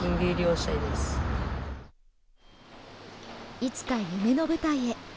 いつか夢の舞台へ。